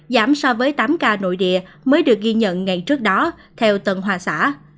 giảm so với tám ca nội địa mới được ghi nhận ngày trước đó theo tân hòa xã